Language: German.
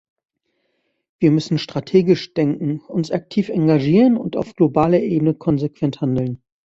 Wir müssen strategisch denken, uns aktiv engagieren und auf globaler Ebene konsequent handeln.